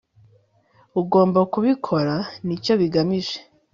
ugomba kubikora, n'icyo bigamije